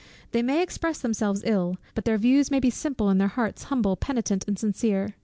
They may express themselves ill; but their views may be simple, and their hearts humble, penitent, and sincere.